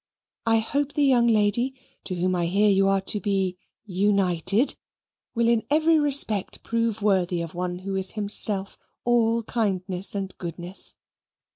I hope the young lady to whom I hear you are to be UNITED will in every respect prove worthy of one who is himself all kindness and goodness.